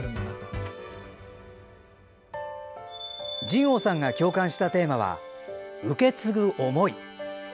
仁凰さんが共感したテーマは、「受け継ぐ想い」。